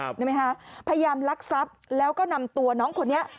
พยายามหลักทรัพย์แล้วก็นำตัวน้องคนนี้